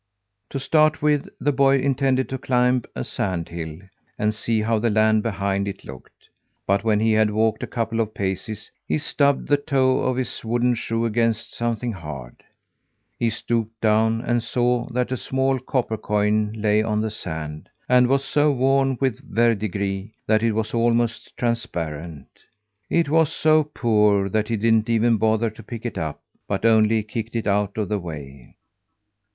To start with, the boy intended to climb a sand hill and see how the land behind it looked. But when he had walked a couple of paces, he stubbed the toe of his wooden shoe against something hard. He stooped down, and saw that a small copper coin lay on the sand, and was so worn with verdigris that it was almost transparent. It was so poor that he didn't even bother to pick it up, but only kicked it out of the way.